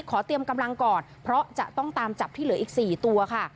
ขอเตรียมกำลังก่อนเพราะจะต้องตามจับที่เหลืออีก๔ตัวค่ะ